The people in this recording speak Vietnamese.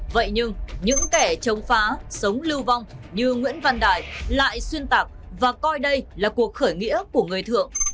vậy nhưng những kẻ chống phá sống lưu vong như nguyễn văn đại lại xuyên tạc và coi đây là cuộc khởi nghĩa của người thượng